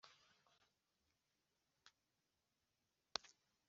amurika iminsi yanjye kuva mugitondo kugeza nimugoroba